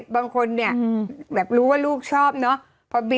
บางคนเนี่ยแบบรู้ว่าลูกชอบเนอะ